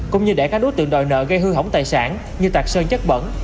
cũng như để các đối tượng đòi nợ gây hư hỏng tài sản như tạc sơn chất bẩn